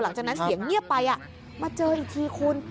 หลังจากนั้นเสียงเงียบไปมาเจออีกทีคุณ